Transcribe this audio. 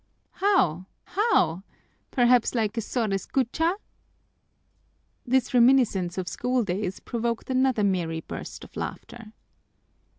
"How, how? Perhaps like a Sor Escucha?" This reminiscence of school days provoked another merry burst of laughter.